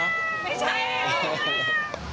ไม่ใช่